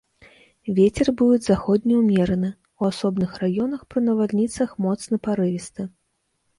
Вецер будзе заходні ўмераны, у асобных раёнах пры навальніцах моцны парывісты.